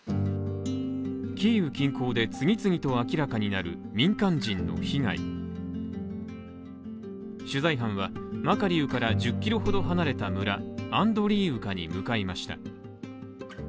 キーウ近郊で次々と明らかになる民間人の被害取材班は、マカリウから１０ｋｍほど離れた村、アンドリーウカに向かいました。